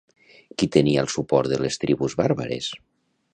Qui tenia el suport de les tribus bàrbares?